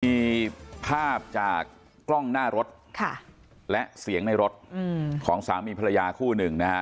มีภาพจากกล้องหน้ารถและเสียงในรถของสามีภรรยาคู่หนึ่งนะฮะ